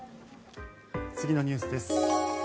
次のニュースです。